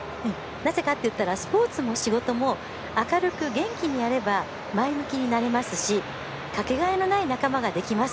なぜかっていったらスポーツも仕事も明るく元気にやれば前向きになれますしかけがえのない仲間ができます。